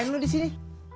kenapa lo disini